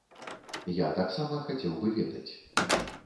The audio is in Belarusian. Я таксама хацеў бы ведаць.